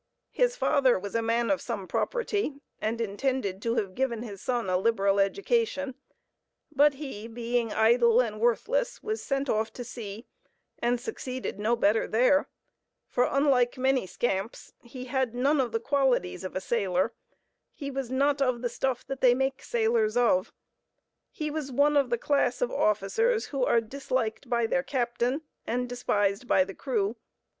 His father was a man of some property, and intended to have given his son a liberal education; but he, being idle and worthless, was sent off to sea, and succeeded no better there; for, unlike many scamps, he had none of the qualities of a sailor—he was "not of the stuff that they make sailors of." He was one of the class of officers who are disliked by their captain and despised by the crew.